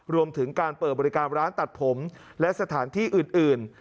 รวมถึงการเปิดบริการร้านตัดผมและสถานที่อื่น